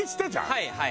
はいはい。